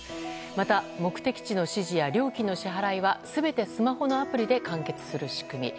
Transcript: また、目的地の指示や料金の支払いは全てスマホのアプリで完結する仕組み。